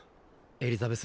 エリザベス！